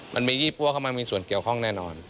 มันมียี่ปั้วเข้ามามีส่วนเกี่ยวข้องแน่นอน